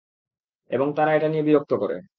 এবং তারা এটা নিয়ে বিরক্ত করে।